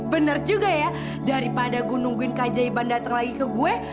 bener juga ya daripada gue nungguin kajaiban datang lagi ke gue